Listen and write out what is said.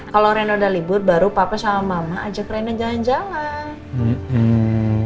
kalau rena udah libur baru papa sama mama ajak reno jalan jalan